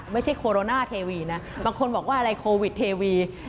ไม่ใช่โคโรนาเทวีนะบางคนบอกว่าอะไรโควิดเทวี